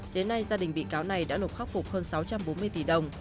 đến nay gia đình bị cáo này đã nộp khắc phục hơn sáu trăm bốn mươi tỷ đồng